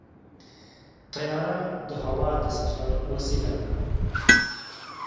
طیاره د هوا د سفر وسیله ده.